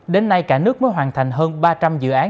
đến nay cả nước mới hoàn thành hơn ba trăm linh dự án